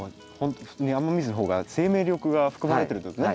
雨水の方が生命力が含まれてるんですね。